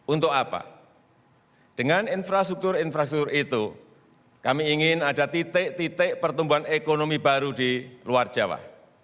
untuk apa dengan infrastruktur infrastruktur itu kami ingin ada titik titik pertumbuhan ekonomi baru di luar jawa